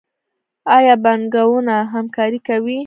آیا بانکونه همکاري کوي؟